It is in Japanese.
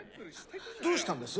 どうしたんです？